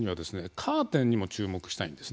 カーテンにも注目したいんですね。